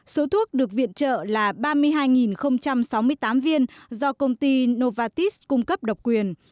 số thuốc được viện trợ là ba mươi hai sáu mươi tám viên do công ty novatis cung cấp độc quyền